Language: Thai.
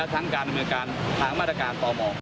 ทั้งตามเฉารการ